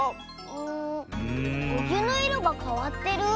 んおゆのいろがかわってる？